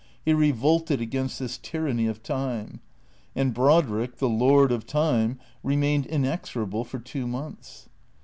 He revolted against this tyranny of time. And Erodrick, the lord of time, remained inexorable for two months.